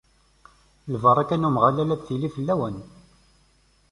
Lbaraka n Umeɣlal ad tili fell-awen!